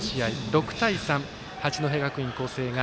６対３、八戸学院光星が